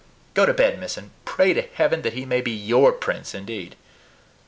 Go to bed, miss, and pray to Heaven that he may be YOUR Prince indeed.